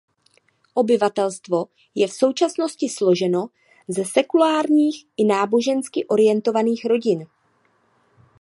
Obyvatelstvo je v současnosti složeno ze sekulárních i nábožensky orientovaných rodin.